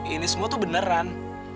ini semua tuh beneran